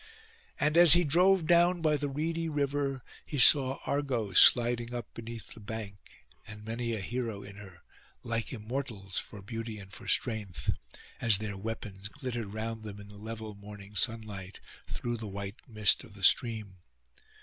And as he drove down by the reedy river he saw Argo sliding up beneath the bank, and many a hero in her, like Immortals for beauty and for strength, as their weapons glittered round them in the level morning sunlight, through the white mist of the stream.